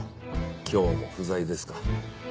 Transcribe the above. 今日も不在ですか。